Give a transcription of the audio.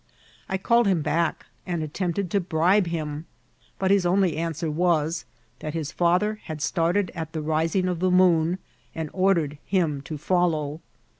I called him back, and attempted to bribe him ; but his only answer was, that his father had started at the rising of the moon, and ordered him to follow.